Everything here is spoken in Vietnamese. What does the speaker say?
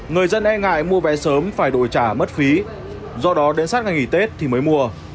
người dân e ngại mua vé sớm phải đổi trả mất phí do đó đến sát ngày nghỉ tết thì mới mua